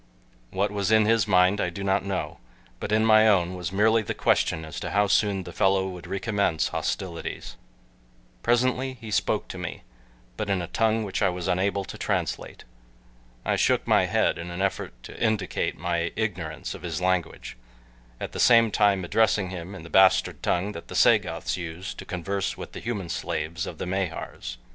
What was in his mind I do not know, but in my own was merely the question as to how soon the fellow would recommence hostilities. Presently he spoke to me, but in a tongue which I was unable to translate. I shook my head in an effort to indicate my ignorance of his language, at the same time addressing him in the bastard tongue that the Sagoths use to converse with the human slaves of the Mahars.